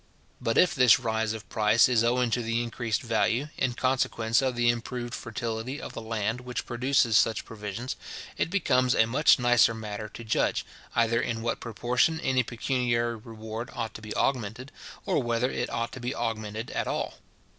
But if this rise of price is owing to the increased value, in consequence of the improved fertility of the land which produces such provisions, it becomes a much nicer matter to judge, either in what proportion any pecuniary reward ought to be augmented, or whether it ought to be augmented at all.